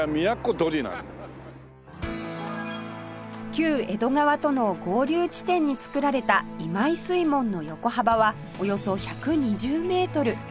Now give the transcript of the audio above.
旧江戸川との合流地点に造られた今井水門の横幅はおよそ１２０メートル